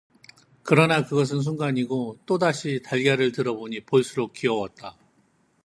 그러나 그것은 순간이고 또다시 달걀을 들여다보니 볼수록 귀여웠다.